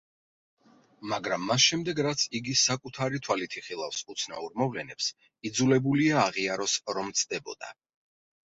მაგრამ მას შემდეგ, რაც იგი საკუთარი თვალით იხილავს უცნაურ მოვლენებს, იძულებულია აღიაროს, რომ ცდებოდა.